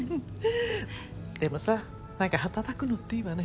でもさ何か働くのっていいわね。